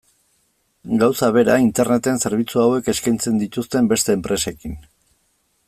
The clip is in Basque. Gauza bera Interneten zerbitzu hauek eskaintzen dituzten beste enpresekin.